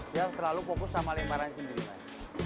dia terlalu fokus sama lemparan sendiri mas